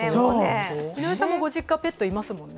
井上さんもご実家、ペットいますもんね。